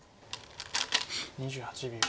２８秒。